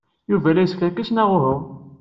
Yuba la yeskerkis neɣ uhu?